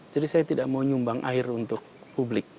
jadi saya tidak mau nyumbang air untuk publik